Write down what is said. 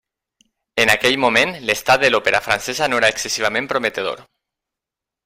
En aquell moment, l'estat de l'òpera francesa no era excessivament prometedor.